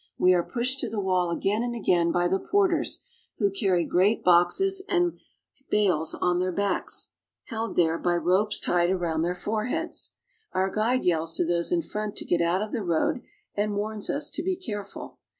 We are pushed to the wall again and again by the porters, who carry great boxes and bales on their backs, held there by ropes tied around their foreheads. Our guide yells to those in front to get out of the road and warns us to be careful.